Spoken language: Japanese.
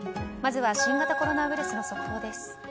まずは新型コロナウイルスの速報です。